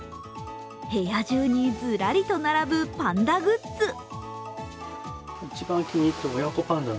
部屋中にズラリと並ぶパンダグッズ。